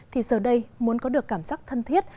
thì giờ đây muốn có được cảm giác thân thiết